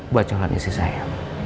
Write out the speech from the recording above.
buat jalan isi saya